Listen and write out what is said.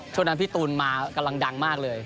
ช่วงนั้นพี่ตูนมากำลังดังมากเลย